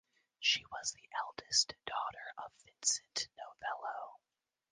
She was the eldest daughter of Vincent Novello.